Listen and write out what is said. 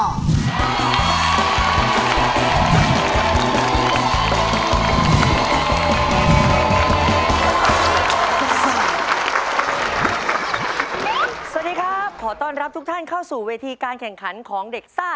สวัสดีครับขอต้อนรับทุกท่านเข้าสู่เวทีการแข่งขันของเด็กซ่า